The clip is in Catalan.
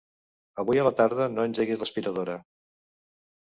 Avui a la tarda no engeguis l'aspiradora.